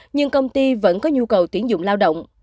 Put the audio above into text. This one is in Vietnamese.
nhưng công ty vẫn có nhu cầu tuyển dụng lao động